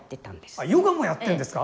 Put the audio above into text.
あヨガもやってんですか？